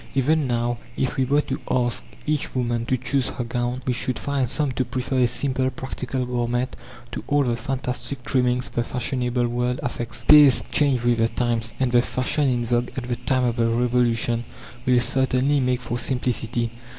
Even now, if we were to ask each woman to choose her gown, we should find some to prefer a simple, practical garment to all the fantastic trimmings the fashionable world affects. Tastes change with the times, and the fashion in vogue at the time of the Revolution will certainly make for simplicity.